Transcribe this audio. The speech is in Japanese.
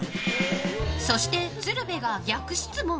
そして、鶴瓶が逆質問。